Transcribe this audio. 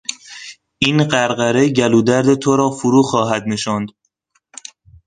این غرغره گلو درد تو را فرو خواهد نشاند.